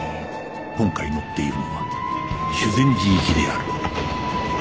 今回乗っているのは修善寺行きである